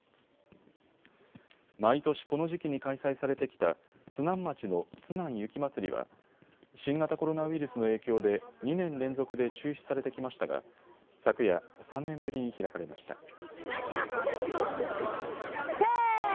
毎年この時期に開催されてきた津南町のつなん雪まつりは新型コロナウイルスの影響で２年連続で中止されてきましたが昨夜、３年ぶりに開かれました。